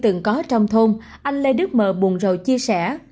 nhưng có trong thôn anh lê đức mờ buồn rầu chia sẻ